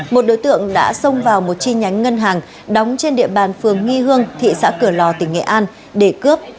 một đối tượng đã xông vào một chi nhánh ngân hàng đóng trên địa bàn phường nghi hương thị xã cửa lò tỉnh nghệ an để cướp